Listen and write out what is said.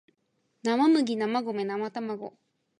生麦生米生たまご